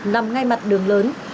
nằm ngay mặt đường lớn